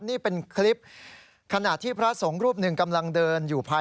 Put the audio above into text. นี่เป็นคลิป